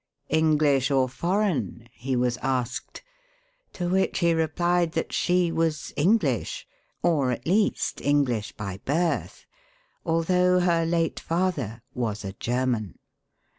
"English or foreign?" he was asked; to which he replied that she was English or, at least, English by birth, although her late father was a German.